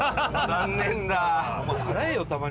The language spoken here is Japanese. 残念だ。